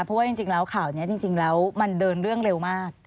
เพราะว่าจริงแล้วข่าวนี้จริงแล้วมันเดินเรื่องเร็วมาก